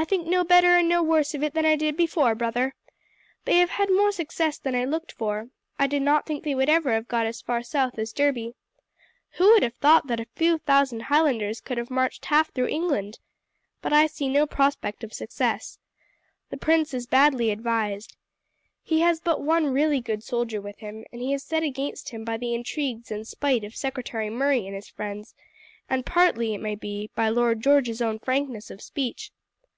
"I think no better and no worse of it than I did before, brother. They have had more success than I looked for. I did not think they would ever have got as far south as Derby. Who would have thought that a few thousand Highlanders could have marched half through England? But I see no prospect of success. The prince is badly advised. He has but one really good soldier with him, and he is set against him by the intrigues and spite of Secretary Murray and his friends, and partly, it may be, by Lord George's own frankness of speech.